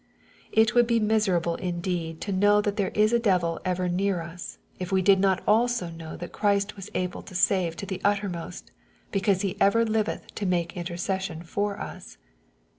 It would be miserable indeed to know that there is a devil ever near us, if we did not also know that Christ was " able to save to the uttermost, because he ever liveth to make intercession for us.''